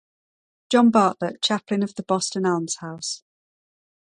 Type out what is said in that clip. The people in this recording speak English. John Bartlett, chaplain of the Boston Almshouse.